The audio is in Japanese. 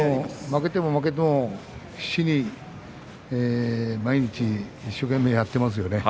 負けても負けても日々毎日一生懸命やっていますよね。